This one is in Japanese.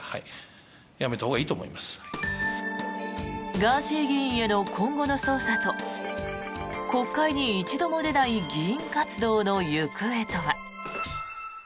ガーシー議員への今後の捜査と国会に一度も出ない議員活動の行方とは。